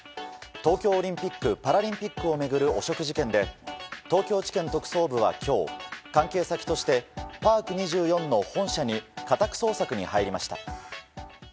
東京オリンピック・パラリンピックを巡る汚職事件で東京地検特捜部は今日関係先としてパーク２４の本社に家宅捜索に入りました。